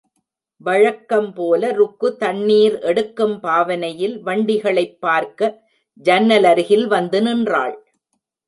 வழக்கம்போல ருக்கு தண்ணீர் எடுக்கும் பாவனையில் வண்டிகளைப் பார்க்க ஜன்னலருகில் வந்து நின்றாள்.